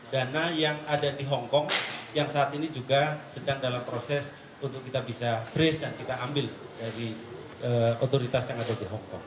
dana yang ada di hongkong yang saat ini juga sedang dalam proses untuk kita bisa breeze dan kita ambil dari otoritas yang ada di hongkong